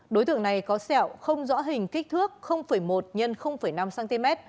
đối tượng này có sẹo không rõ hình kích thước một x năm cm